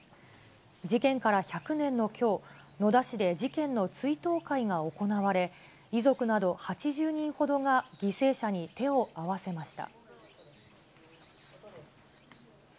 事件から１００年のきょう、野田市で事件の追悼会が行われ、遺族など８０人ほどが犠牲者に手を合わせました。